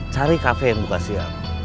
cari kafe yang buka siap